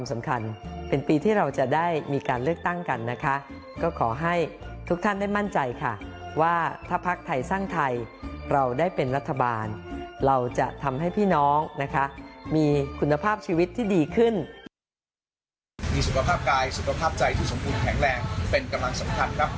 ภาพใจที่สมควรแข็งแรงเป็นกำลังสำคัญครับ